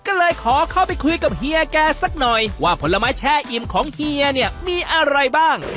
ก็เลยขอเข้าไปคุยกับเฮียแกสักหน่อยว่าผลไม้แช่อิ่มของเฮียเนี่ยมีอะไรบ้าง